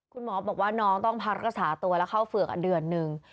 คุณหมอบอกว่าน้องต้องพักรักษาตัวแล้วเข้าเฝือกเดือนนึง